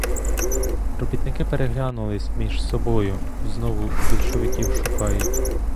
Робітники переглянулися між собою — знову більшовиків шукають!